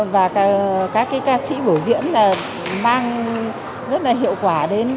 và các cái ca sĩ bổ diễn là mang rất là hiệu quả đến